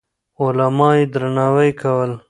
علما يې درناوي کول.